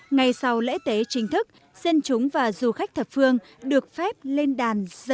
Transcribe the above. ngày sau lễ tế chính thức dân chúng và du khách thập phương được phép lên đàn